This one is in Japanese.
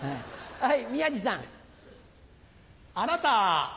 はい？